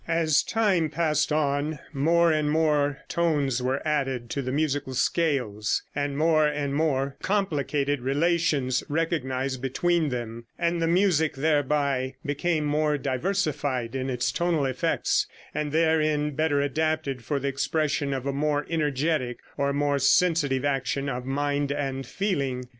As time passed on more and more tones were added to the musical scales, and more and more complicated relations recognized between them, and the music thereby became more diversified in its tonal effects, and therein better adapted for the expression of a more energetic or more sensitive action of mind and feeling.